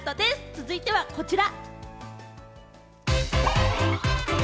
続いてはこちら。